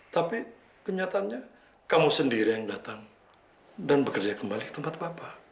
tapi kenyataannya kamu sendiri yang datang dan bekerja kembali ke tempat apa